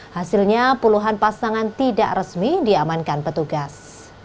hasilnya puluhan pasangan tidak resmi diamankan petugas